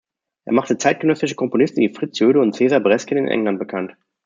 Er machte zeitgenössische Komponisten wie Fritz Jöde und Cesar Bresgen in England bekannt.